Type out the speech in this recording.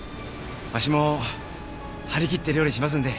わしも張り切って料理しますんで。